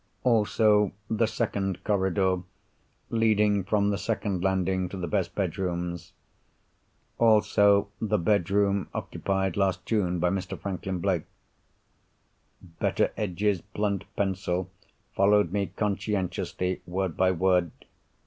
Also, the second corridor, leading from the second landing to the best bedrooms. Also, the bedroom occupied last June by Mr. Franklin Blake." Betteredge's blunt pencil followed me conscientiously, word by word.